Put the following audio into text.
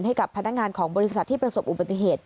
ให้กับพนักงานของบริษัทที่ประสบอุบัติเหตุ